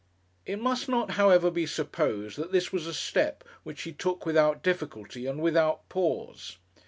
It must not, however, be supposed that this was a step which he took without difficulty and without pause.